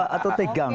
lupa atau tegang